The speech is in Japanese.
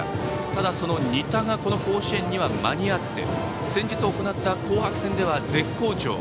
ただ、仁田が甲子園には間に合って先日、行った紅白戦では絶好調。